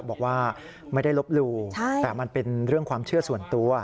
บอกว่าไม่ได้ลบหลู่แต่มันเป็นเรื่องความเชื่อส่วนตัว